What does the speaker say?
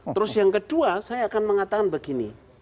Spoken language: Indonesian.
terus yang kedua saya akan mengatakan begini